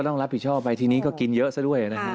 ต้องรับผิดชอบไปทีนี้ก็กินเยอะซะด้วยนะฮะ